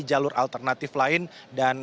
jalur alternatif lain dan